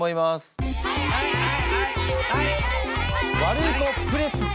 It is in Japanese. ワルイコプレス様。